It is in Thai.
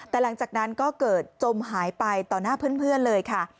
แต่หลังจากนั้นก็เกิดจมหายไปต่อหน้าเพื่อนเลยค่ะ